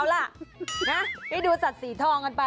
เอาล่ะนะได้ดูสัตว์สีทองกันไป